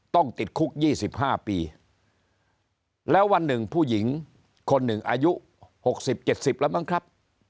ต้องติดคุก๒๕ปีแล้ววันหนึ่งผู้หญิงคนหนึ่งอายุ๖๐๗๐แล้วมั้งครับ